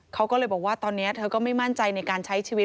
เขาก็เลยบอกว่าตอนนี้เธอก็ไม่มั่นใจในการใช้ชีวิต